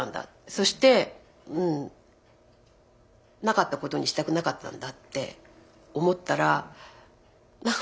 そしてうんなかったことにしたくなかったんだって思ったら何かほんとにグッときちゃって。